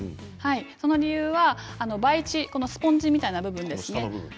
その理由は、培地スポンジみたいな部分ですね。